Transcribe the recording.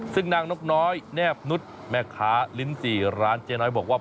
ซึ่งนางนกน้อยแนบนุษย์แม่ค้าลิ้นจี่ร้านเจ๊น้อยบอกว่า